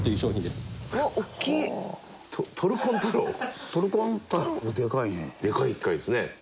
でかい機械ですね。